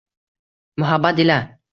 Muhabbat ila...